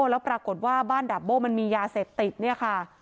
แล้วปรากฏว่าบ้านดาบโบ้มันมียาเสพติดเนี่ยค่ะ